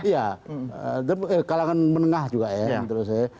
ya kalangan menengah juga ya menurut saya